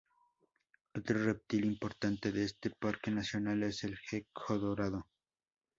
Otro reptil importante de este parque nacional es el gecko dorado.